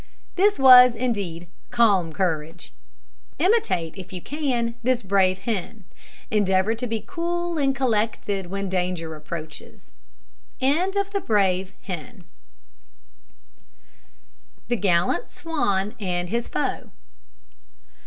This was, indeed, calm courage. Imitate, if you can, this brave hen. Endeavour to be cool and collected when danger approaches. THE GALLANT SWAN AND HIS FOE.